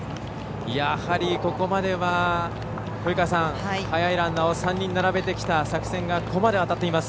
やはり、ここまでは速いランナーを３人並べてきた作戦がここまでは当たっています。